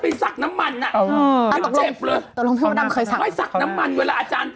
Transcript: เห็นเค้าบอกคี่ขนาดชั้นไปสักน้ำมันน่ะไม่จับเลย